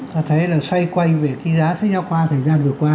ta thấy là xoay quay về ký giá sách giáo khoa thời gian vừa qua